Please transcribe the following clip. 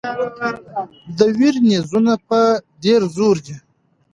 د ویر نیزونه په ډېر زور دي.